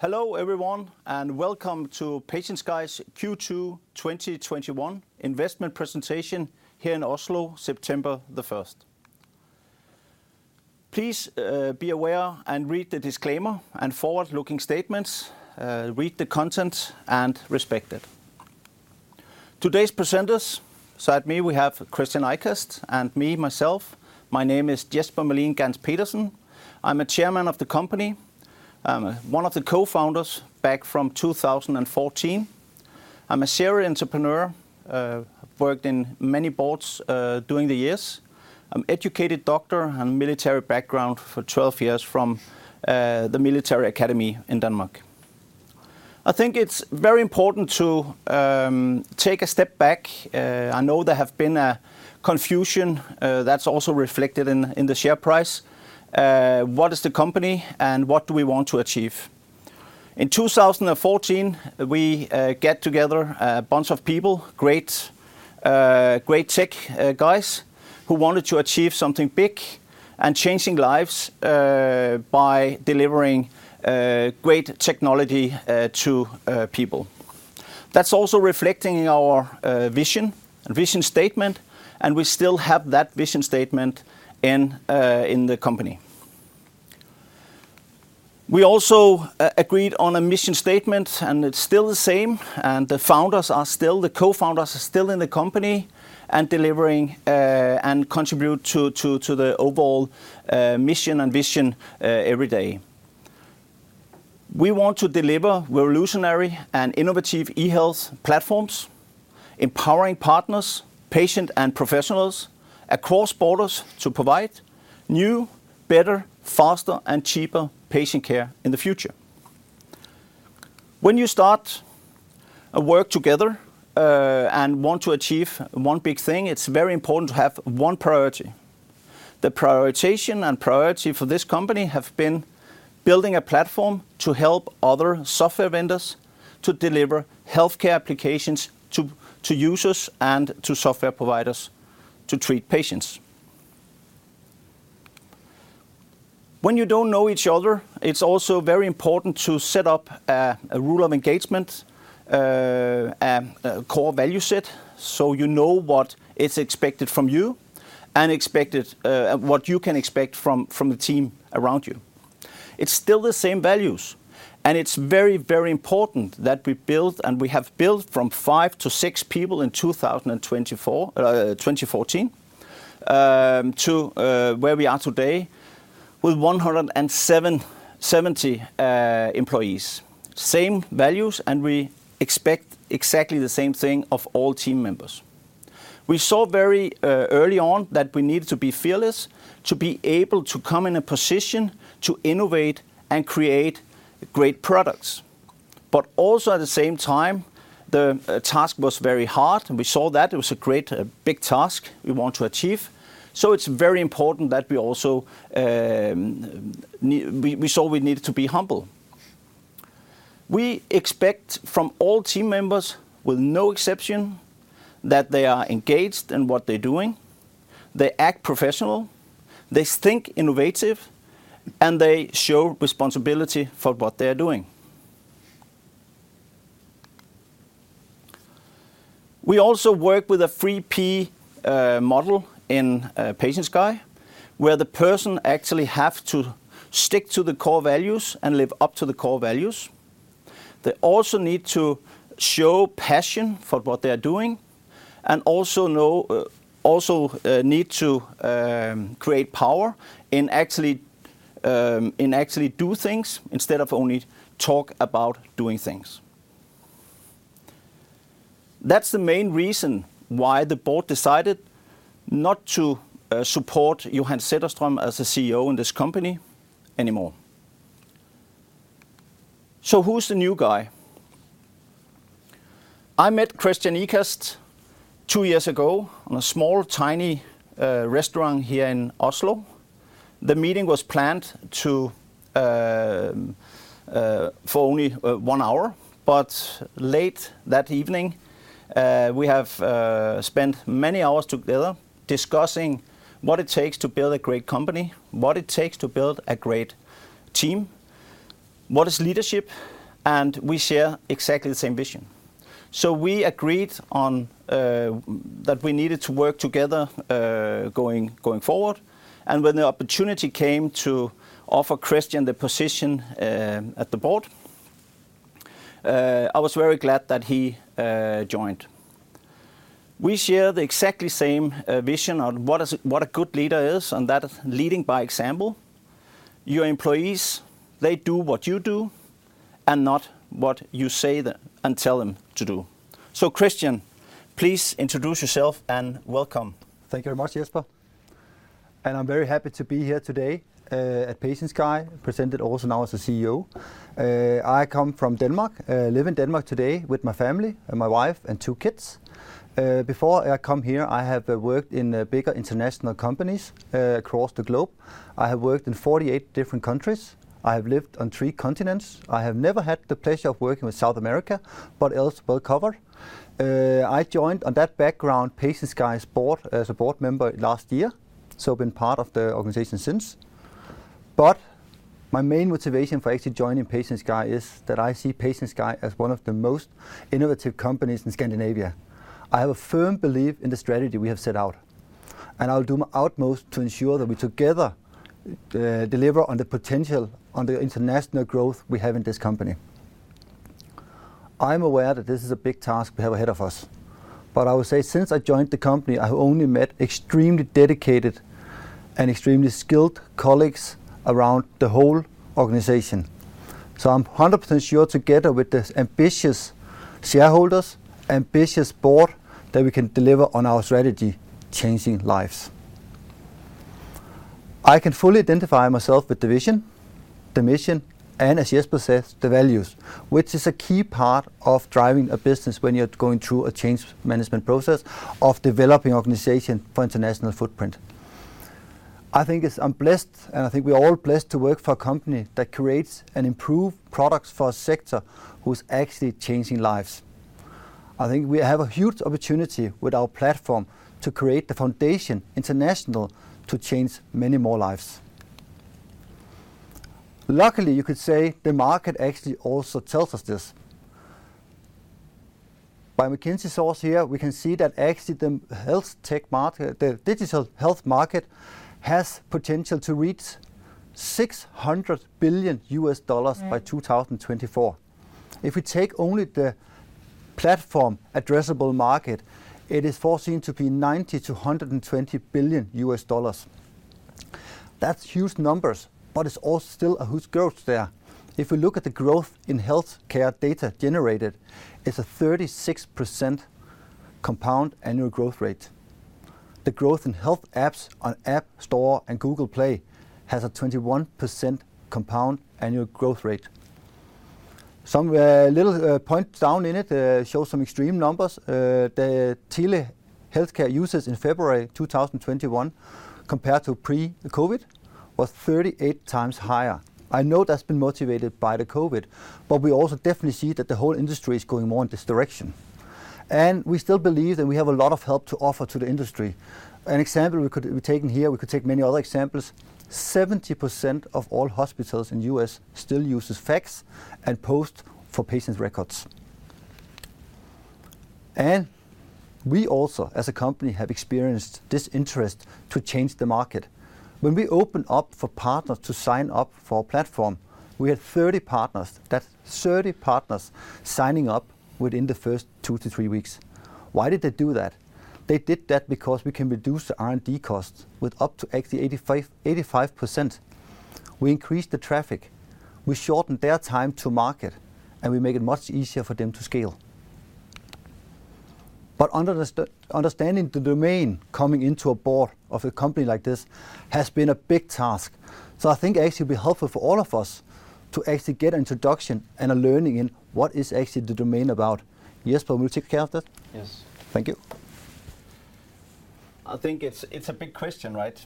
Hello everyone, welcome to PatientSky's Q2 2021 investment presentation here in Oslo, September the 1st. Please be aware and read the disclaimer and forward-looking statements, read the content and respect it. Today's presenters, beside me we have Kristian Ikast and me, myself. My name is Jesper Melin Ganc-Petersen. I'm a Chairman of the company. I'm one of the co-founders back from 2014. I'm a serial entrepreneur. I've worked in many boards during the years. I'm educated doctor and military background for 12 years from the Military Academy in Denmark. I think it's very important to take a step back. I know there has been a confusion that's also reflected in the share price. What is the company and what do we want to achieve? In 2014, we get together a bunch of people, great tech guys who wanted to achieve something big and changing lives by delivering great technology to people. That's also reflecting our vision and vision statement. We still have that vision statement in the company. We also agreed on a mission statement. It's still the same. The founders are still, the co-founders are still in the company and delivering, and contribute to the overall mission and vision every day. We want to deliver revolutionary and innovative e-health platforms, empowering partners, patients, and professionals across borders to provide new, better, faster, and cheaper patient care in the future. When you start work together and want to achieve one big thing, it's very important to have one priority. The prioritization and priority for this company have been building a platform to help other software vendors to deliver healthcare applications to users and to software providers to treat patients. When you don't know each other, it's also very important to set up a rule of engagement, a core value set, so you know what is expected from you and what you can expect from the team around you. It's still the same values, and it's very important that we build and we have built from five-six people in 2014 to where we are today with 170 employees. Same values, and we expect exactly the same thing of all team members. We saw very early on that we needed to be fearless, to be able to come in a position to innovate and create great products. Also at the same time, the task was very hard and we saw that it was a great, big task we want to achieve. It's very important that we also saw we needed to be humble. We expect from all team members, with no exception, that they are engaged in what they're doing, they act professional, they think innovative, and they show responsibility for what they are doing. We also work with a 3P model in PatientSky, where the person actually have to stick to the core values and live up to the core values. They also need to show passion for what they are doing and also need to create power and actually do things instead of only talk about doing things. That's the main reason why the board decided not to support Johan Zetterström as a CEO in this company anymore. Who's the new guy? I met Kristian Ikast two years ago in a small, tiny restaurant here in Oslo. The meeting was planned for only one hour, late that evening, we have spent many hours together discussing what it takes to build a great company, what it takes to build a great team, what is leadership, and we share exactly the same vision. We agreed on that we needed to work together going forward, and when the opportunity came to offer Kristian the position at the board, I was very glad that he joined. We share the exactly same vision on what a good leader is and that leading by example. Your employees, they do what you do and not what you say and tell them to do. Kristian, please introduce yourself and welcome. Thank you very much, Jesper. I'm very happy to be here today at PatientSky, presented also now as the CEO. I come from Denmark. I live in Denmark today with my family and my wife and two kids. Before I come here, I have worked in bigger international companies across the globe. I have worked in 48 different countries. I have lived on three continents. I have never had the pleasure of working with South America. Else well covered. I joined on that background PatientSky's board as a board member last year. I've been part of the organization since. My main motivation for actually joining PatientSky is that I see PatientSky as one of the most innovative companies in Scandinavia. I have a firm belief in the strategy we have set out, and I will do my utmost to ensure that we together deliver on the potential on the international growth we have in this company. I'm aware that this is a big task we have ahead of us, but I would say since I joined the company, I have only met extremely dedicated and extremely skilled colleagues around the whole organization. I'm 100% sure, together with the ambitious shareholders, ambitious board, that we can deliver on our strategy, changing lives. I can fully identify myself with the vision, the mission, and as Jesper said, the values, which is a key part of driving a business when you're going through a change management process of developing organization for international footprint. I think I'm blessed, I think we're all blessed to work for a company that creates and improve products for a sector who's actually changing lives. I think we have a huge opportunity with our platform to create the foundation international to change many more lives. Luckily, you could say the market actually also tells us this. By McKinsey source here, we can see that actually the digital health market has potential to reach $600 billion by 2024. If we take only the platform addressable market, it is foreseen to be $90 billion-$120 billion. That's huge numbers, it's all still a huge growth there. If we look at the growth in healthcare data generated, it's a 36% compound annual growth rate. The growth in health apps on App Store and Google Play has a 21% compound annual growth rate. Some little points down in it show some extreme numbers. The telehealthcare users in February 2021 compared to pre-COVID was 38 times higher. I know that's been motivated by the COVID, we also definitely see that the whole industry is going more in this direction. We still believe that we have a lot of help to offer to the industry. An example we could be taking here, we could take many other examples. 70% of all hospitals in U.S. still uses fax and post for patient records. We also, as a company, have experienced this interest to change the market. When we opened up for partners to sign up for our platform, we had 30 partners. That's 30 partners signing up within the first two-three weeks. Why did they do that? They did that because we can reduce the R&D costs with up to actually 85%. We increase the traffic, we shorten their time to market, and we make it much easier for them to scale. Understanding the domain coming into a board of a company like this has been a big task. I think it actually be helpful for all of us to actually get introduction and a learning in what is actually the domain about. Jesper, will you take care of that? Yes. Thank you. I think it's a big question, right?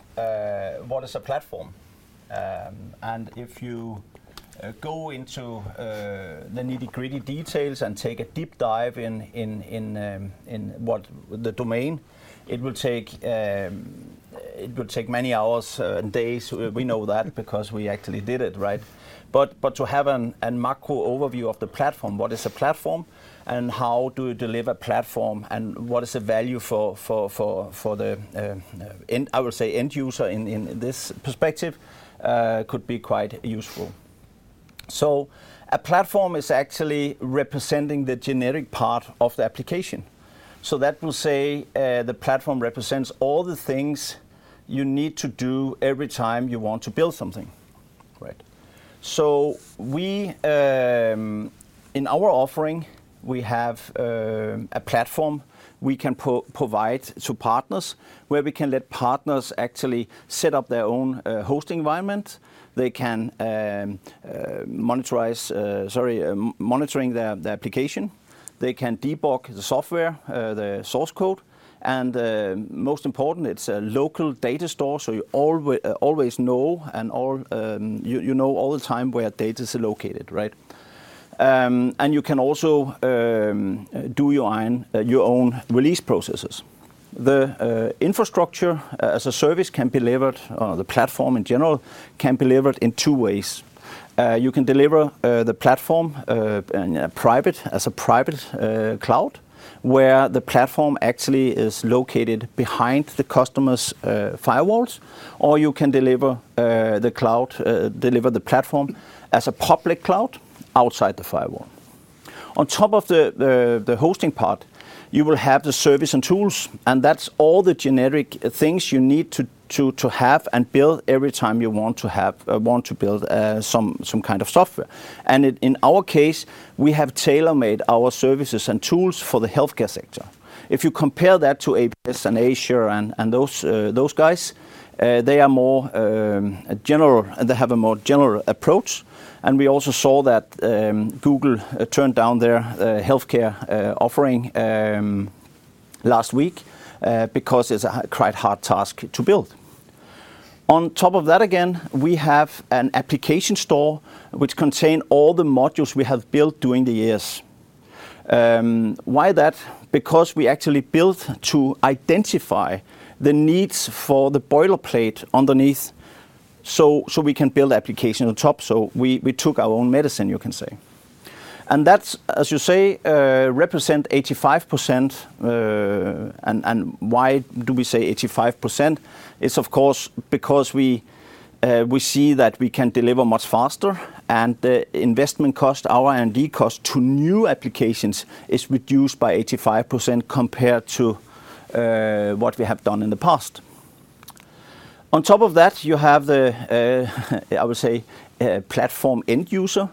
What is a platform? If you go into the nitty-gritty details and take a deep dive in the domain, it will take many hours and days. We know that because we actually did it, right? To have a macro overview of the platform, what is a platform and how do you deliver platform and what is the value for the, I would say, end user in this perspective could be quite useful. A platform is actually representing the generic part of the application. That will say the platform represents all the things you need to do every time you want to build something. Right. In our offering, we have a platform we can provide to partners where we can let partners actually set up their own hosting environment. They can monitoring the application. They can debug the software, the source code, and most important, it's a local data store, so you know all the time where data is located, right? You can also do your own release processes. The infrastructure as a service can be delivered, the platform in general, can be delivered in two ways. You can deliver the platform as a private cloud, where the platform actually is located behind the customer's firewalls, or you can deliver the platform as a public cloud outside the firewall. On top of the hosting part, you will have the service and tools. That's all the generic things you need to have and build every time you want to build some kind of software. In our case, we have tailor-made our services and tools for the healthcare sector. If you compare that to AWS and Azure and those guys, they have a more general approach. We also saw that Google turned down their healthcare offering last week, because it's a quite hard task to build. On top of that, again, we have an application store which contain all the modules we have built during the years. Why that? Because we actually built to identify the needs for the boilerplate underneath, so we can build application on top. We took our own medicine, you can say. That, as you say, represent 85%. Why do we say 85%? It is of course because we see that we can deliver much faster, and the investment cost, our R&D cost to new applications is reduced by 85% compared to what we have done in the past. On top of that, you have the, I would say, platform end user,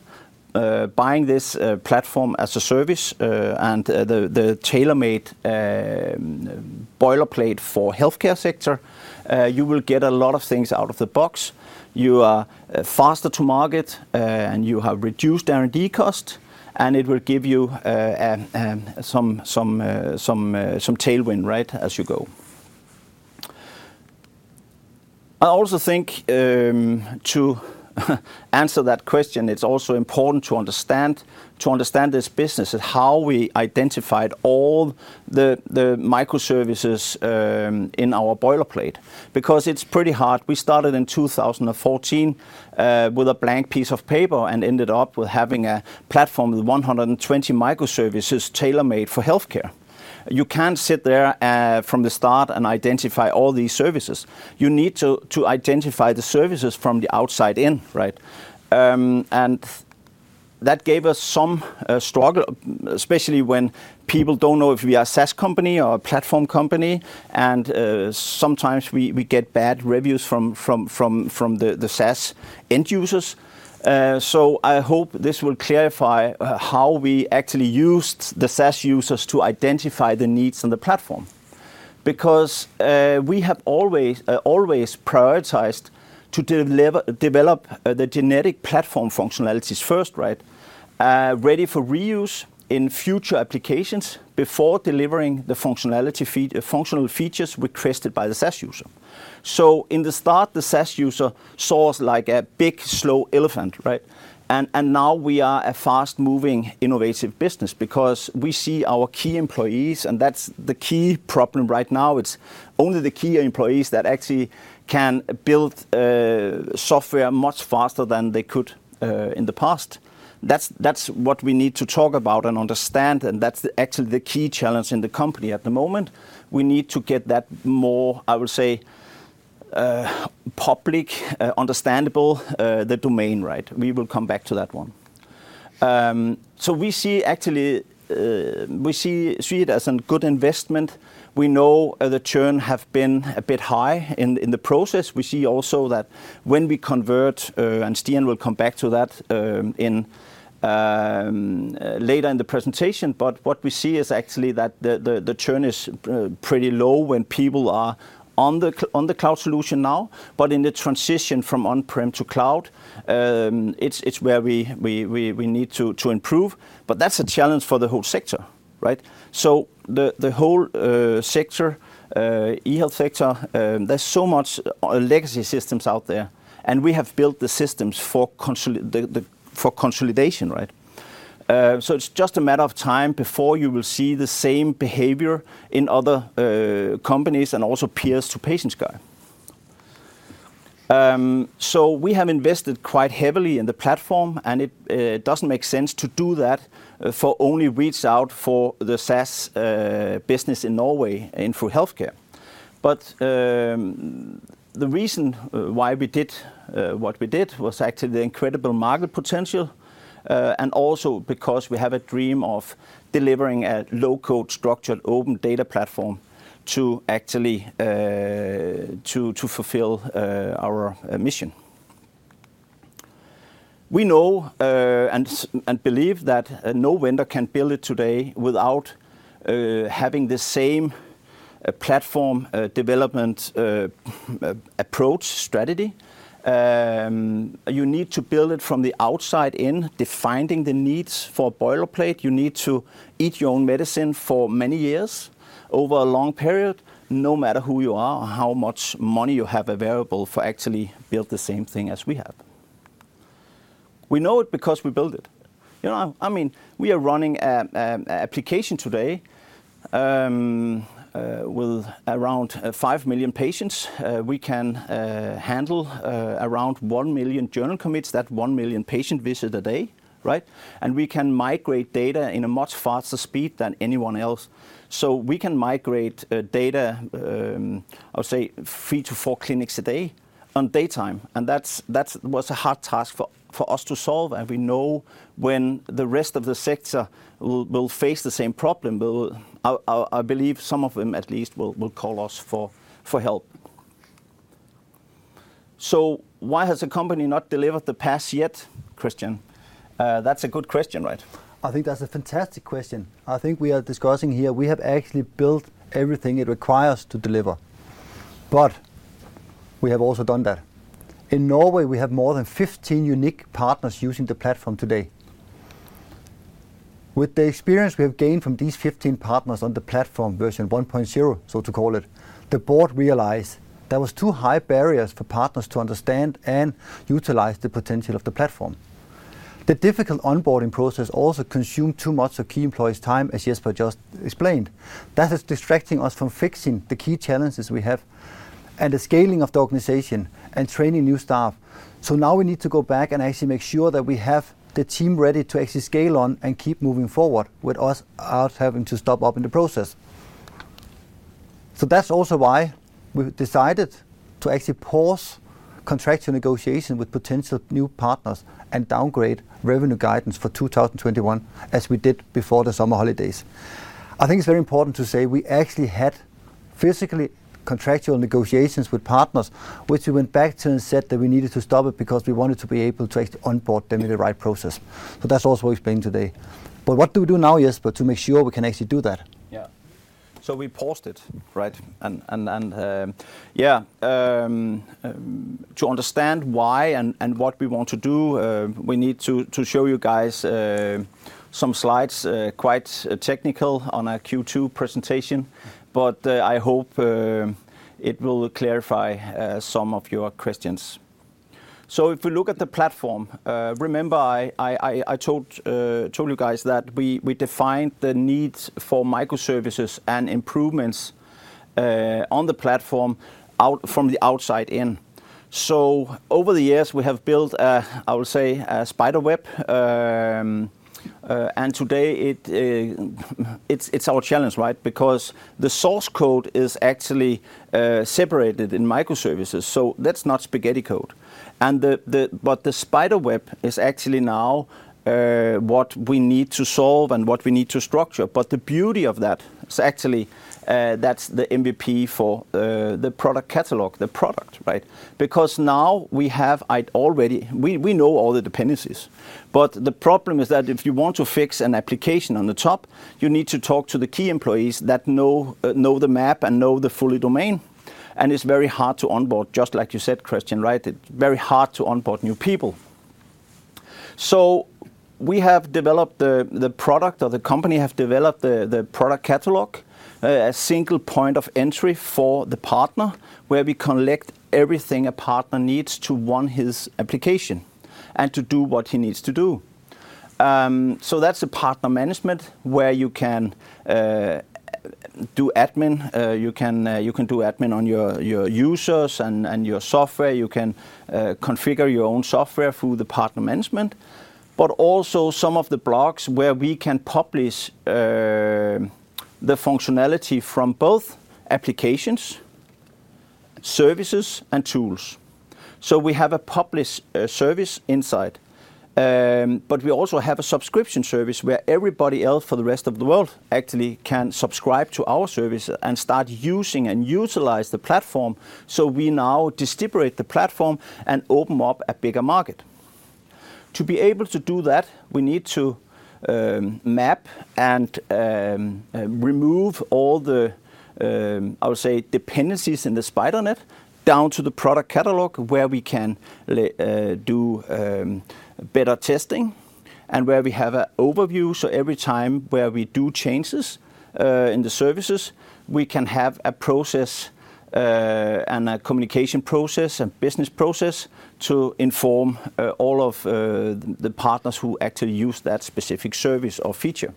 buying this platform as a service, and the tailor-made boilerplate for healthcare sector. You will get a lot of things out of the box. You are faster to market, and you have reduced R&D cost, and it will give you some tailwind, right, as you go. I also think to answer that question, it is also important to understand this business and how we identified all the microservices in our boilerplate. It is pretty hard. We started in 2014 with a blank piece of paper and ended up with having a platform with 120 microservices tailor-made for healthcare. You can't sit there from the start and identify all these services. You need to identify the services from the outside in, right? That gave us some struggle, especially when people don't know if we are a SaaS company or a platform company. Sometimes we get bad reviews from the SaaS end users. I hope this will clarify how we actually used the SaaS users to identify the needs on the platform. We have always prioritized to develop the genetic platform functionalities first, right? Ready for reuse in future applications before delivering the functional features requested by the SaaS user. In the start, the SaaS user saw us like a big slow elephant, right? Now we are a fast-moving, innovative business because we see our key employees, and that's the key problem right now. It's only the key employees that actually can build software much faster than they could in the past. That's what we need to talk about and understand, and that's actually the key challenge in the company at the moment. We need to get that more, I would say, public, understandable, the domain, right. We will come back to that one. We see it as a good investment. We know the churn have been a bit high in the process. We see also that when we convert, and Stian will come back to that later in the presentation, but what we see is actually that the churn is pretty low when people are on the cloud solution now. In the transition from on-prem to cloud, it's where we need to improve. That's a challenge for the whole sector, right? The whole e-health sector, there's so much legacy systems out there, and we have built the systems for consolidation, right? It's just a matter of time before you will see the same behavior in other companies and also peers to PatientSky. We have invested quite heavily in the platform, and it doesn't make sense to do that for only reach out for the SaaS business in Norway and through healthcare. The reason why we did what we did was actually the incredible market potential. Also because we have a dream of delivering a low-code structured open data platform to fulfill our mission. We know and believe that no vendor can build it today without having the same platform development approach strategy. You need to build it from the outside in, defining the needs for boilerplate. You need to eat your own medicine for many years over a long period, no matter who you are or how much money you have available for actually build the same thing as we have. We know it because we build it. We are running application today, with around five million patients. We can handle around one million journal commits, that one million patient visit a day, right? We can migrate data in a much faster speed than anyone else. We can migrate data, I would say three-four clinics a day on daytime. That was a hard task for us to solve. We know when the rest of the sector will face the same problem. I believe some of them at least will call us for help. Why has the company not delivered the PaaS yet, Kristian? That's a good question, right? I think that's a fantastic question. I think we are discussing here we have actually built everything it requires to deliver. We have also done that. In Norway, we have more than 15 unique partners using the platform today. With the experience we have gained from these 15 partners on the platform version 1.0, so to call it, the board realized there was too high barriers for partners to understand and utilize the potential of the platform. The difficult onboarding process also consumed too much of key employees' time, as Jesper just explained. That is distracting us from fixing the key challenges we have and the scaling of the organization and training new staff. Now we need to go back and actually make sure that we have the team ready to actually scale on and keep moving forward without having to stop up in the process. That's also why we've decided to actually pause contractual negotiation with potential new partners and downgrade revenue guidance for 2021, as we did before the summer holidays. I think it's very important to say we actually had physically contractual negotiations with partners, which we went back to and said that we needed to stop it because we wanted to be able to actually onboard them in the right process. That's also explained today. What do we do now, Jesper, to make sure we can actually do that? Yeah. We paused it, right? To understand why and what we want to do, we need to show you guys some slides, quite technical on our Q2 presentation. I hope it will clarify some of your questions. If we look at the platform, remember I told you guys that we defined the needs for microservices and improvements on the platform out from the outside in. Over the years, we have built, I would say, a spider web. Today it's our challenge, right? Because the source code is actually separated in microservices, so that's not spaghetti code. The spider web is actually now what we need to solve and what we need to structure. The beauty of that is actually that's the MVP for the product catalog. The product, right? Because now we know all the dependencies. The problem is that if you want to fix an application on the top, you need to talk to the key employees that know the map and know the full domain, and it's very hard to onboard, just like you said, Kristian, right? It's very hard to onboard new people. We have developed the product, or the company have developed the product catalog, a single point of entry for the partner where we collect everything a partner needs to run his application and to do what he needs to do. That's a partner management where you can do admin. You can do admin on your users and your software. You can configure your own software through the partner management. Also some of the blocks where we can publish the functionality from both applications, services, and tools. We have a published service inside. We also have a subscription service where everybody else for the rest of the world actually can subscribe to our service and start using and utilize the platform. We now distribute the platform and open up a bigger market. To be able to do that, we need to map and remove all the, I would say, dependencies in the spider net down to the product catalog where we can do better testing and where we have an overview. Every time where we do changes in the services, we can have a process and a communication process and business process to inform all of the partners who actually use that specific service or feature.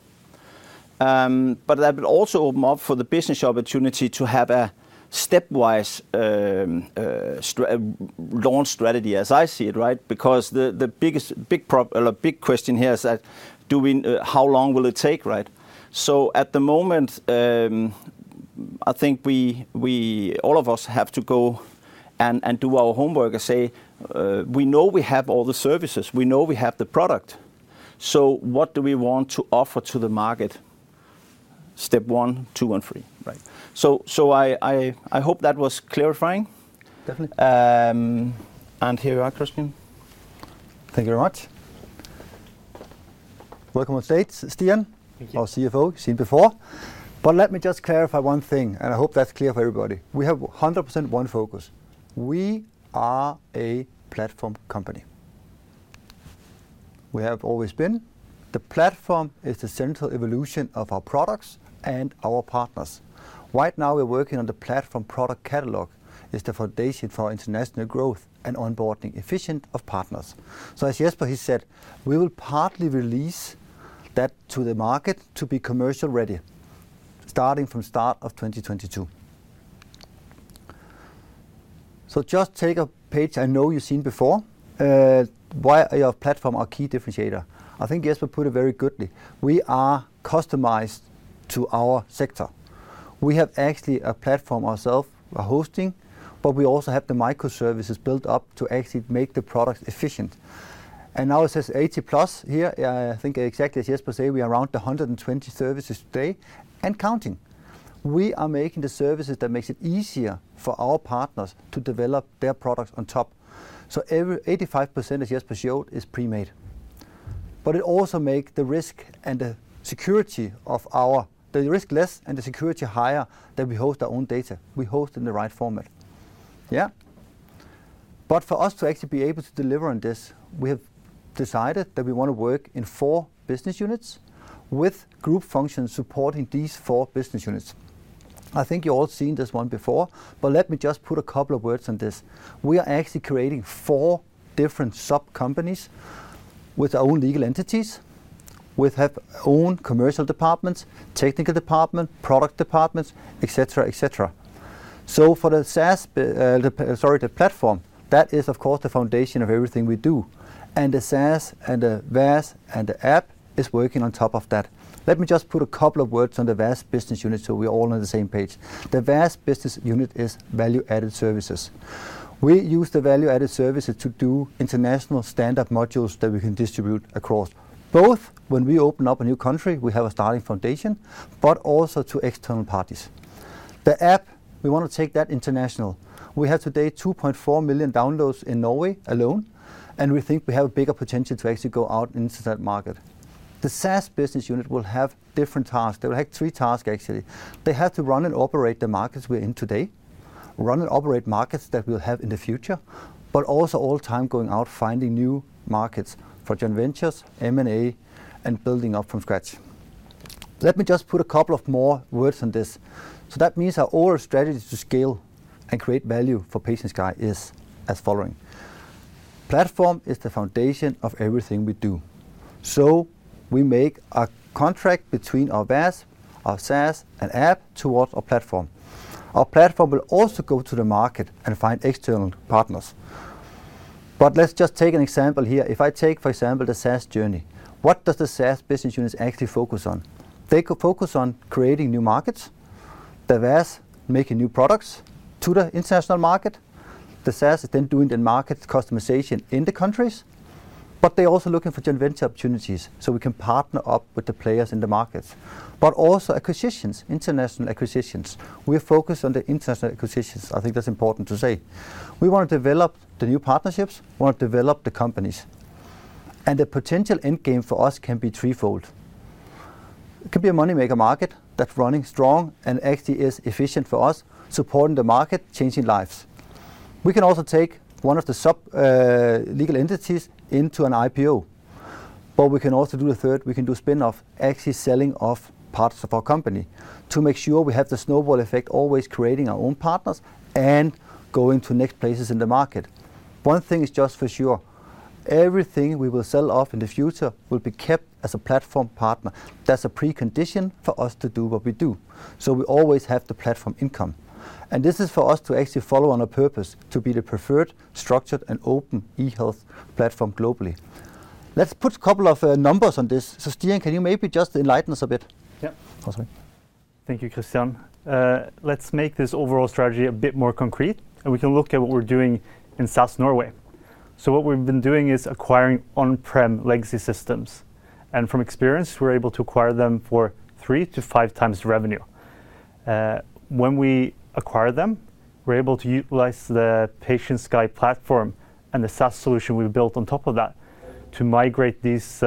That will also open up for the business opportunity to have a stepwise launch strategy as I see it, right? Because the big question here is that how long will it take, right? At the moment, I think all of us have to go and do our homework and say we know we have all the services, we know we have the product. What do we want to offer to the market? Step one, two, and three, right? I hope that was clarifying. Definitely. Here you are, Kristian. Thank you very much. Welcome on stage, Stian. Thank you. our CFO. You've seen before. Let me just clarify one thing, and I hope that's clear for everybody. We have 100% one focus. We are a platform company. We have always been. The platform is the central evolution of our products and our partners. Right now, we're working on the platform product catalog. It's the foundation for our international growth and onboarding efficient of partners. As Jesper said, we will partly release that to the market to be commercial-ready, starting from start of 2022. Just take a page I know you've seen before. Why our platform, our key differentiator? I think Jesper put it very good. We are customized to our sector. We have actually a platform ourself, we're hosting, but we also have the microservices built up to actually make the product efficient. Now it says 80+ here. I think exactly as Jesper says, we are around 120 services today and counting. We are making the services that make it easier for our partners to develop their products on top. 85% as Jesper showed is pre-made. It also makes the risk less and the security higher that we host our own data. We host in the right format. Yeah. For us to actually be able to deliver on this, we have decided that we want to work in four business units with group functions supporting these four business units. I think you all seen this one before, but let me just put a couple of words on this. We are actually creating four different sub-companies with our own legal entities, with our own commercial departments, technical department, product departments, et cetera. For the platform, that is, of course, the foundation of everything we do. The SaaS and the VAS and the app is working on top of that. Let me just put a couple of words on the VAS business unit so we all are on the same page. The VAS business unit is value-added services. We use the value-added services to do international standard modules that we can distribute across, both when we open up a new country, we have a starting foundation, but also to external parties. The app, we want to take that international. We have to date 2.4 million downloads in Norway alone, and we think we have a bigger potential to actually go out into that market. The SaaS business unit will have different tasks. They will have three tasks, actually. They have to run and operate the markets we're in today, run and operate markets that we'll have in the future, but also all the time going out, finding new markets for joint ventures, M&A, and building up from scratch. Let me just put a couple of more words on this. That means our overall strategy to scale and create value for PatientSky is as following. Platform is the foundation of everything we do. We make a contract between our VAS, our SaaS, and app towards our platform. Our platform will also go to the market and find external partners. Let's just take an example here. If I take, for example, the SaaS journey, what does the SaaS business units actually focus on? They could focus on creating new markets, the VAS making new products to the international market. The SaaS is doing the market customization in the countries, but they're also looking for joint venture opportunities, so we can partner up with the players in the markets. Also acquisitions, international acquisitions. We are focused on the international acquisitions. I think that's important to say. We want to develop the new partnerships, we want to develop the companies. The potential end game for us can be threefold. It could be a money-maker market that's running strong and actually is efficient for us, supporting the market, changing lives. We can also take one of the sub legal entities into an IPO. We can also do a third, we can do spin-off, actually selling off parts of our company to make sure we have the snowball effect always creating our own partners and going to next places in the market. One thing is just for sure, everything we will sell off in the future will be kept as a platform partner. That's a precondition for us to do what we do. We always have the platform income. This is for us to actually follow on a purpose, to be the preferred structured and open e-health platform globally. Let's put a couple of numbers on this. Stian, can you maybe just enlighten us a bit? Yeah. Thank you, Kristian. Let's make this overall strategy a bit more concrete, and we can look at what we're doing in South Norway. What we've been doing is acquiring on-prem legacy systems. From experience, we're able to acquire them for three-five times the revenue. When we acquire them, we're able to utilize the PatientSky platform and the SaaS solution we built on top of that to migrate these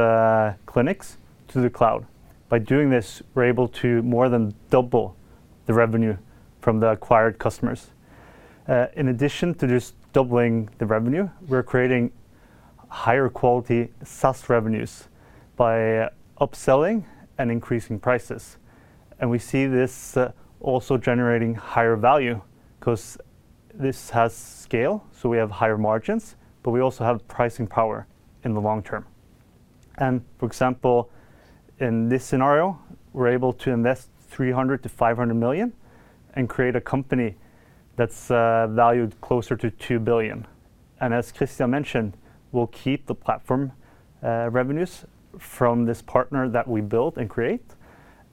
clinics to the cloud. By doing this, we're able to more than double the revenue from the acquired customers. In addition to just doubling the revenue, we're creating higher quality SaaS revenues by upselling and increasing prices. We see this also generating higher value because this has scale, so we have higher margins, but we also have pricing power in the long term. For example, in this scenario, we're able to invest 300 million-500 million and create a company that's valued closer to 2 billion. As Kristian mentioned, we'll keep the platform revenues from this partner that we build and create,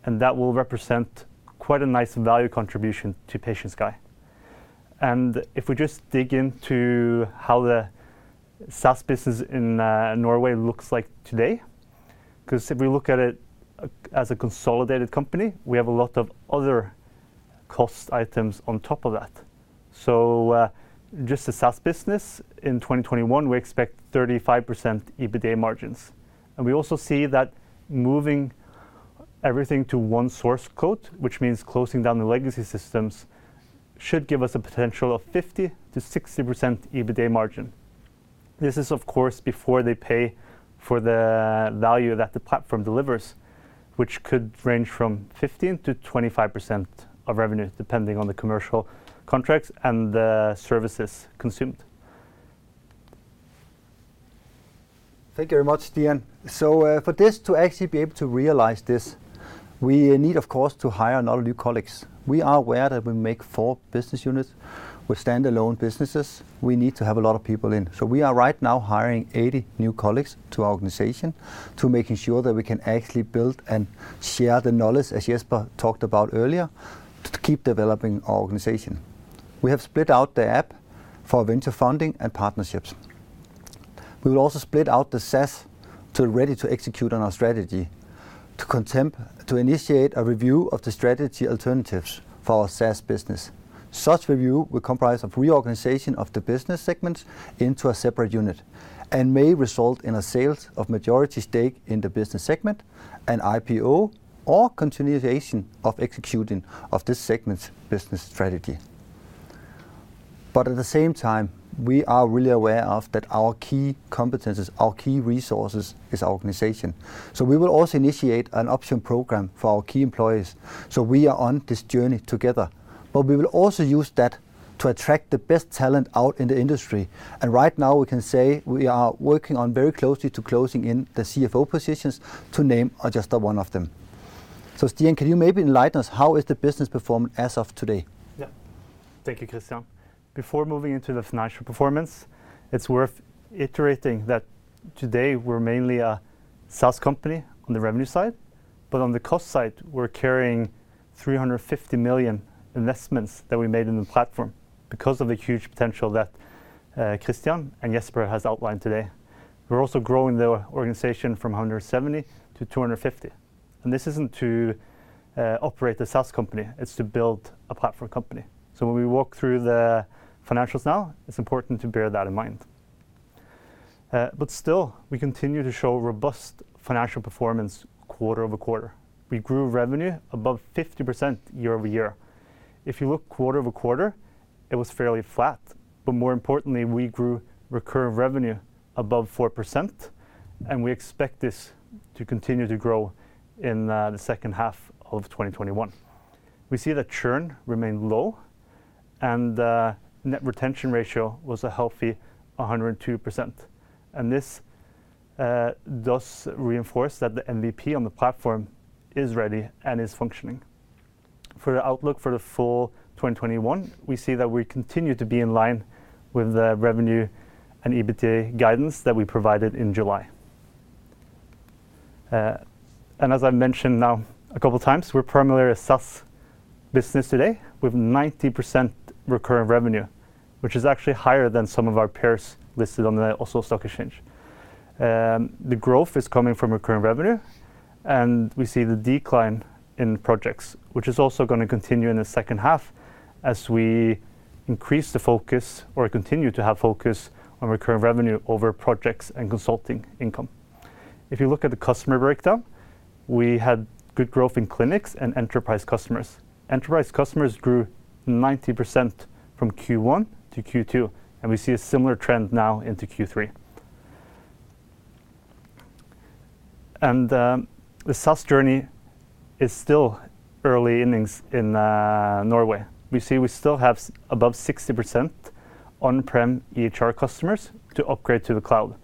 and that will represent quite a nice value contribution to PatientSky. If we just dig into how the SaaS business in Norway looks like today, because if we look at it as a consolidated company, we have a lot of other cost items on top of that. Just the SaaS business in 2021, we expect 35% EBITA margins. We also see that moving everything to one source code, which means closing down the legacy systems, should give us a potential of 50%-60% EBITA margin. This is, of course, before they pay for the value that the platform delivers, which could range from 15%-25% of revenue, depending on the commercial contracts and the services consumed. Thank you very much, Stian. For this to actually be able to realize this, we need, of course, to hire a lot of new colleagues. We are aware that we make four business units with standalone businesses. We need to have a lot of people in. We are right now hiring 80 new colleagues to our organization to making sure that we can actually build and share the knowledge, as Jesper talked about earlier, to keep developing our organization. We have split out the app for venture funding and partnerships. We will also split out the SaaS to ready to execute on our strategy to initiate a review of the strategy alternatives for our SaaS business. Such review will comprise of reorganization of the business segments into a separate unit and may result in a sales of majority stake in the business segment, an IPO, or continuation of executing of this segment's business strategy. At the same time, we are really aware of that our key competencies, our key resources is our organization. We will also initiate an option program for our key employees, so we are on this journey together. We will also use that to attract the best talent out in the industry. Right now we can say we are working on very closely to closing in the CFO positions, to name just one of them. Stian, can you maybe enlighten us how is the business performing as of today? Thank you, Kristian. Before moving into the financial performance, it's worth iterating that today we're mainly a SaaS company on the revenue side, but on the cost side, we're carrying 350 million investments that we made in the platform because of the huge potential that Kristian and Jesper has outlined today. We're also growing the organization from 170-250. This isn't to operate a SaaS company, it's to build a platform company. When we walk through the financials now, it's important to bear that in mind. Still, we continue to show robust financial performance quarter-over-quarter. We grew revenue above 50% year-over-year. If you look quarter-over-quarter, it was fairly flat. More importantly, we grew recurring revenue above 4%, and we expect this to continue to grow in the second half of 2021. We see that churn remained low and the net retention ratio was a healthy 102%. This does reinforce that the MVP on the platform is ready and is functioning. For the outlook for the full 2021, we see that we continue to be in line with the revenue and EBITDA guidance that we provided in July. As I mentioned now a couple of times, we're primarily a SaaS business today with 90% recurring revenue, which is actually higher than some of our peers listed on the Oslo Stock Exchange. The growth is coming from recurring revenue, and we see the decline in projects, which is also going to continue in the second half as we increase the focus or continue to have focus on recurring revenue over projects and consulting income. If you look at the customer breakdown, we had good growth in clinics and enterprise customers. Enterprise customers grew 90% from Q1 to Q2, we see a similar trend now into Q3. The SaaS journey is still early innings in Norway. We still have above 60% on-prem EHR customers to upgrade to the cloud.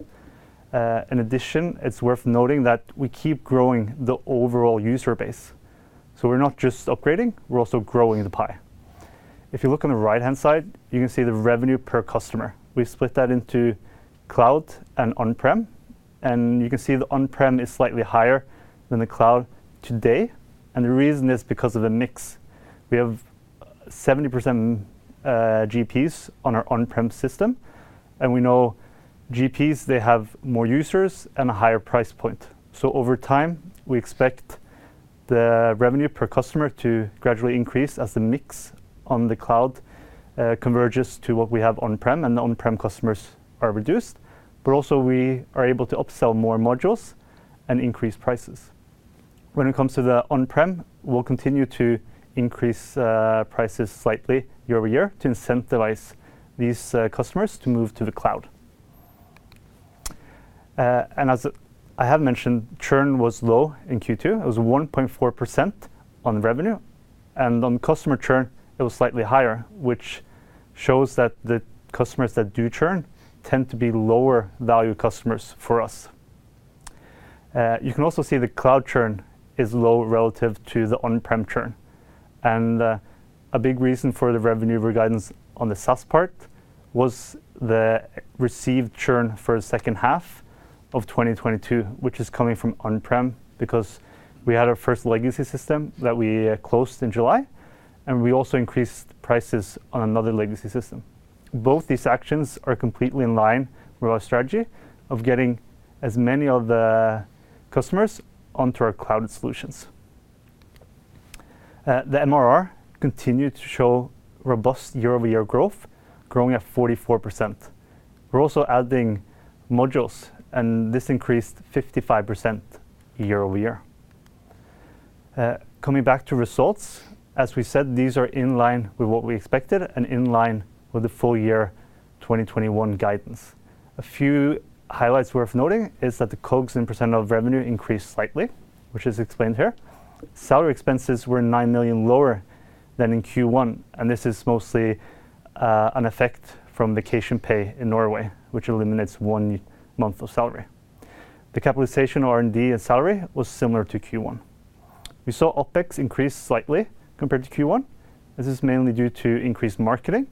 In addition, it's worth noting that we keep growing the overall user base. We're not just upgrading, we're also growing the pie. If you look on the right-hand side, you can see the revenue per customer. We've split that into cloud and on-prem, and you can see the on-prem is slightly higher than the cloud today, and the reason is because of the mix. We have 70% GPs on our on-prem system, and we know GPs, they have more users and a higher price point. Over time, we expect the revenue per customer to gradually increase as the mix on the cloud converges to what we have on-prem and the on-prem customers are reduced. Also we are able to upsell more modules and increase prices. When it comes to the on-prem, we'll continue to increase prices slightly year-over-year to incentivize these customers to move to the cloud. As I have mentioned, churn was low in Q2. It was 1.4% on revenue. On customer churn, it was slightly higher, which shows that the customers that do churn tend to be lower value customers for us. You can also see the cloud churn is low relative to the on-prem churn. A big reason for the revenue guidance on the SaaS part was the received churn for the second half of 2022, which is coming from on-prem because we had our first legacy system that we closed in July, and we also increased prices on another legacy system. Both these actions are completely in line with our strategy of getting as many of the customers onto our cloud solutions. The MRR continued to show robust year-over-year growth, growing at 44%. We're also adding modules, and this increased 55% year-over-year. Coming back to results, as we said, these are in line with what we expected and in line with the full year 2021 guidance. A few highlights worth noting is that the COGS and percent of revenue increased slightly, which is explained here. Salary expenses were 9 million lower than in Q1. This is mostly an effect from vacation pay in Norway, which eliminates one month of salary. The capitalization R&D and salary was similar to Q1. We saw OpEx increase slightly compared to Q1, as this is mainly due to increased marketing,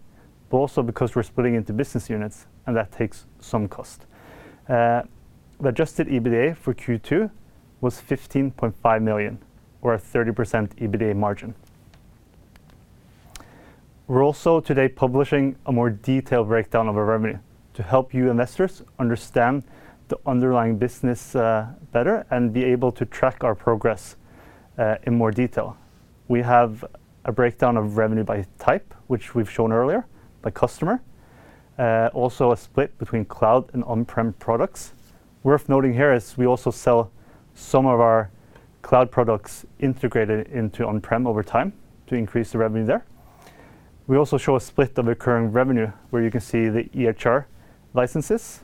but also because we're splitting into business units and that takes some cost. The adjusted EBITDA for Q2 was 15.5 million or a 30% EBITDA margin. We're also today publishing a more detailed breakdown of our revenue to help you investors understand the underlying business better and be able to track our progress in more detail. We have a breakdown of revenue by type, which we've shown earlier, by customer. Also a split between cloud and on-prem products. Worth noting here is we also sell some of our cloud products integrated into on-prem over time to increase the revenue there. We also show a split of recurring revenue, where you can see the EHR licenses,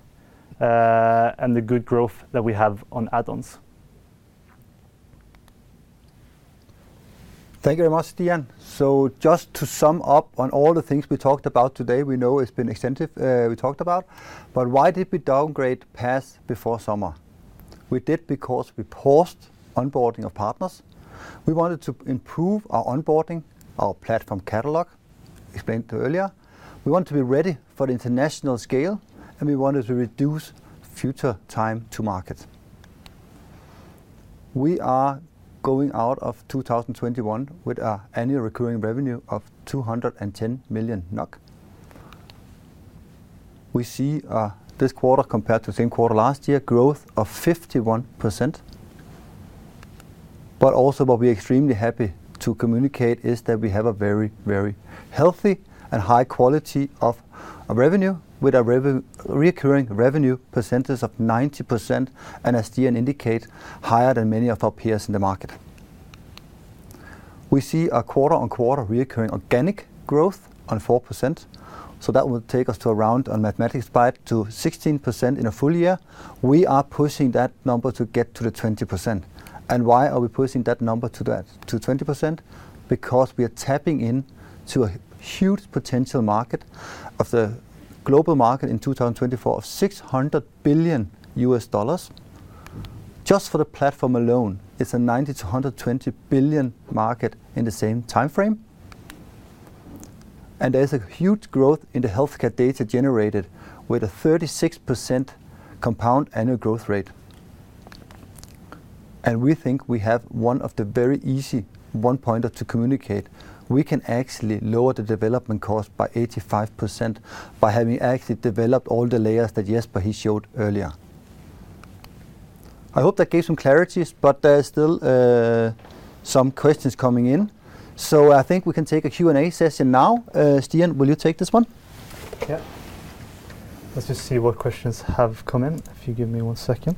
and the good growth that we have on add-ons. Thank you very much, Stian. Just to sum up on all the things we talked about today, we know it's been extensive, we talked about, but why did we downgrade PaaS before summer? We did because we paused onboarding of partners. We wanted to improve our onboarding, our product catalog, explained earlier. We want to be ready for the international scale, and we wanted to reduce future time to market. We are going out of 2021 with our annual recurring revenue of 210 million NOK. We see this quarter compared to the same quarter last year, growth of 51%, but also what we're extremely happy to communicate is that we have a very healthy and high quality of revenue, with a recurring revenue percentage of 90%, and as Stian indicate, higher than many of our peers in the market. We see a quarter-on-quarter recurring organic growth on 4%. That will take us to around, on mathematics part, to 16% in a full year. We are pushing that number to get to the 20%. Why are we pushing that number to 20%? Because we are tapping into a huge potential market of the global market in 2024 of $600 billion. Just for the platform alone, it's a 90 billion-120 billion market in the same timeframe. There's a huge growth in the healthcare data generated with a 36% compound annual growth rate. We think we have one of the very easy one-pointer to communicate. We can actually lower the development cost by 85% by having actually developed all the layers that Jesper showed earlier. I hope that gave some clarities. There are still some questions coming in. I think we can take a Q&A session now. Stian, will you take this one? Yeah. Let's just see what questions have come in. If you give me one second.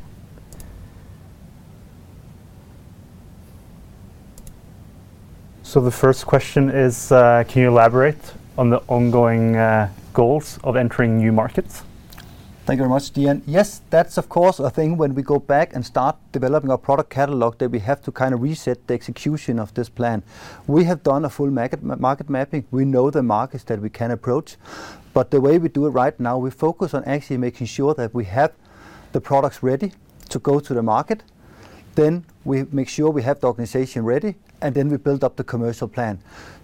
The first question is, can you elaborate on the ongoing goals of entering new markets? Thank you very much, Stian. Yes. That's of course a thing when we go back and start developing our product catalog, that we have to kind of reset the execution of this plan. We have done a full market mapping. We know the markets that we can approach. The way we do it right now, we focus on actually making sure that we have the products ready to go to the market. We make sure we have the organization ready, and then we build up the commercial plan.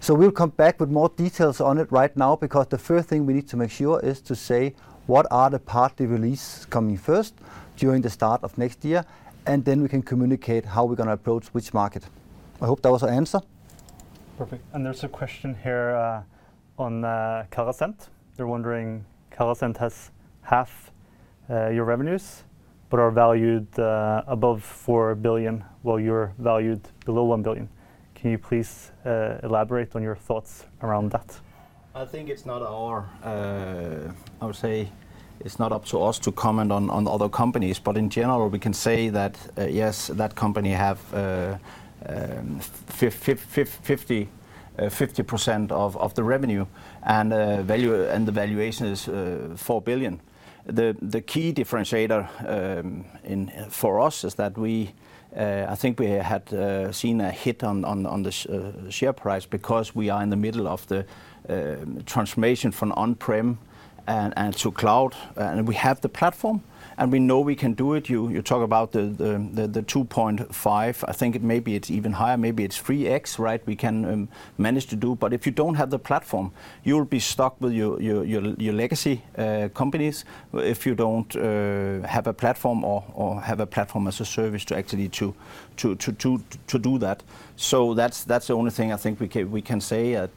We'll come back with more details on it right now, because the first thing we need to make sure is to say what are the product release coming first during the start of next year, and then we can communicate how we're going to approach which market. I hope that was an answer. Perfect. There's a question here on Carasent. They're wondering, Carasent has half your revenues but are valued above 4 billion, while you're valued below 1 billion. Can you please elaborate on your thoughts around that? I would say it's not up to us to comment on other companies. In general, we can say that yes, that company have 50% of the revenue, and the valuation is 4 billion. The key differentiator for us is that I think we had seen a hit on the share price because we are in the middle of the transformation from on-prem and to cloud, and we have the platform, and we know we can do it. You talk about the 2.5x. I think maybe it's even higher. Maybe it's 3x, right? We can manage to do. If you don't have the platform, you'll be stuck with your legacy companies if you don't have a platform or have a Platform as a Service to actually do that. That's the only thing I think we can say.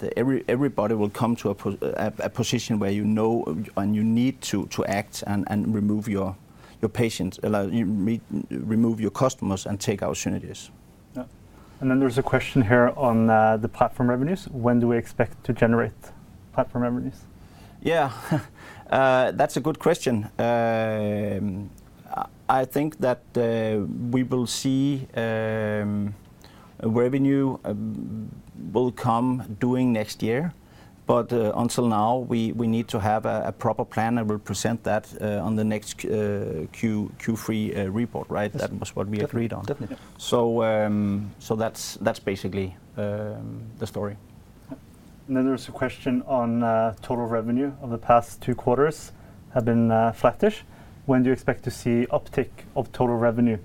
Everybody will come to a position where you know and you need to act and remove your customers and take opportunities. Yeah. Then there's a question here on the platform revenues. When do we expect to generate platform revenues? Yeah. That's a good question. I think that we will see revenue will come during next year. Until now, we need to have a proper plan, and we'll present that on the next Q3 report, right? Yes. That was what we agreed on. Definitely. Yeah. That's basically the story. There's a question on total revenue of the past two quarters have been flattish. When do you expect to see uptick of total revenue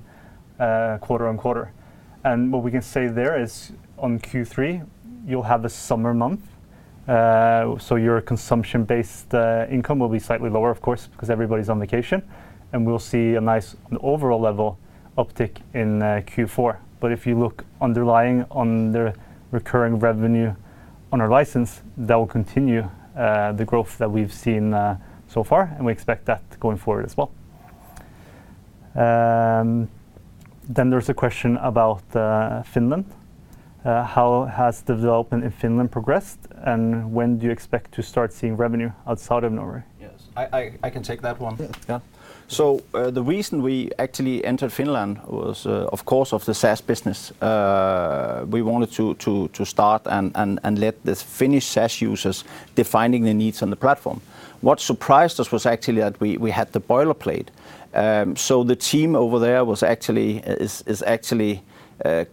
quarter on quarter? What we can say there is on Q3, you'll have a summer month, so your consumption-based income will be slightly lower, of course, because everybody's on vacation, and we'll see a nice overall level uptick in Q4. If you look underlying on the recurring revenue on our license, that will continue the growth that we've seen so far, and we expect that going forward as well. There's a question about Finland. How has development in Finland progressed, and when do you expect to start seeing revenue outside of Norway? Yes. I can take that one. Yeah. The reason we actually entered Finland was, of course, of the SaaS business. We wanted to start and let the Finnish SaaS users defining the needs on the platform. What surprised us was actually that we had the boilerplate. The team over there is actually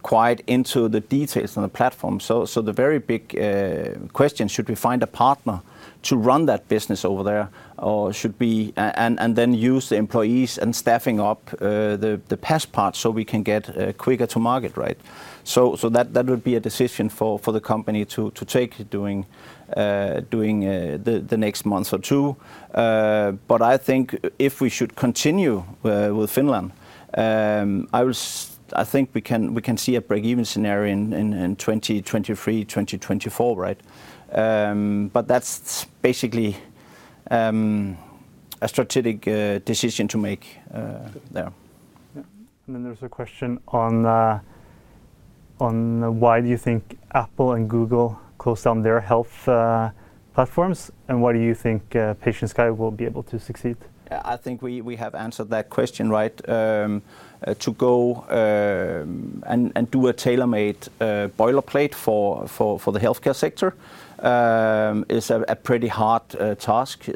quite into the details on the platform. The very big question, should we find a partner to run that business over there, and then use the employees and staffing up the PaaS part so we can get quicker to market, right? That would be a decision for the company to take during the next month or two. I think if we should continue with Finland, I think we can see a breakeven scenario in 2023, 2024, right? That's basically a strategic decision to make there. Yeah. Then there's a question on why do you think Apple and Google closed down their health platforms, and why do you think PatientSky will be able to succeed? I think we have answered that question, right? To go and do a tailor-made boilerplate for the healthcare sector is a pretty hard task.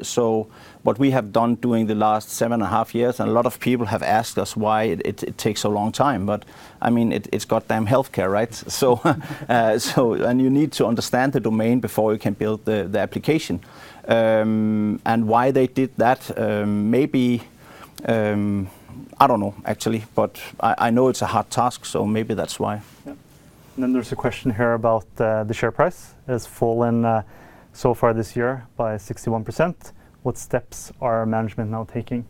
What we have done during the last seven and a half years, and a lot of people have asked us why it takes a long time, but it's goddamn healthcare, right? You need to understand the domain before you can build the application. Why they did that, maybe, I don't know, actually, but I know it's a hard task, so maybe that's why. Yeah. There's a question here about the share price has fallen so far this year by 61%. What steps are management now taking?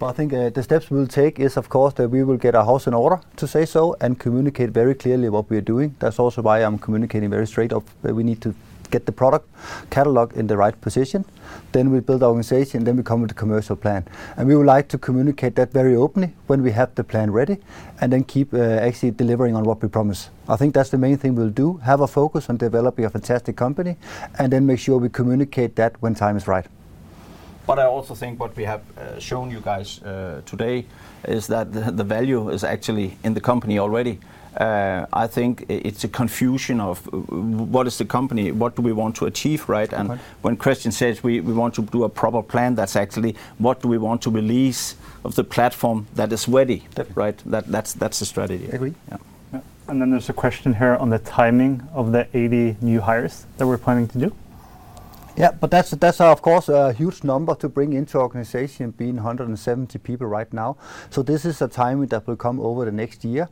Well, I think the steps we'll take is, of course, that we will get our house in order, to say so, and communicate very clearly what we are doing. That's also why I'm communicating very straight up that we need to get the product catalog in the right position. We build the organization, then we come with the commercial plan. We would like to communicate that very openly when we have the plan ready, and then keep actually delivering on what we promise. I think that's the main thing we'll do, have a focus on developing a fantastic company, and then make sure we communicate that when time is right. I also think what we have shown you guys today is that the value is actually in the company already. I think it's a confusion of what is the company? What do we want to achieve, right? Right. When Kristian says we want to do a proper plan, that's actually what do we want to release of the platform that is ready, right? That's the strategy. Agree. Yeah. There's a question here on the timing of the 80 new hires that we're planning to do. Yeah, that's, of course, a huge number to bring into organization being 170 people right now. This is a timing that will come over the next year.